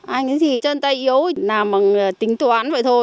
anh ấy thì chân tay yếu làm bằng tính toán vậy thôi